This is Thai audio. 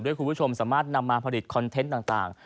คุณผู้ชมสามารถนำมาผลิตคอนเทนต์ต่าง